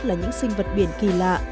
là những sinh vật biển kỳ lạ